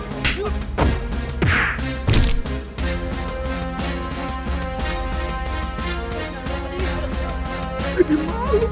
jadi malu kan kamu begini